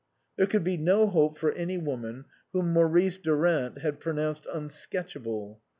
There could be no hope for any woman whom Maurice Durant had pronounced unsketchable.